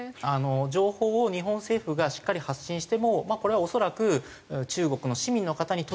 情報を日本政府がしっかり発信してもこれは恐らく中国の市民の方に届く前に遮断されるだろう。